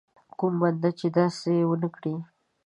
کوم بنده چې داسې ونه کړي.